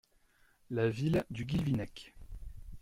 La Ville du Guilvinec.